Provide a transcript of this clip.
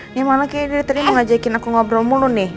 emang laki laki dari tadi mau ngajakin aku ngobrol mulu nih